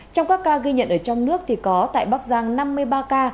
trong các ca ghi nhận ở trong nước thì có tại bắc giang năm mươi ba ca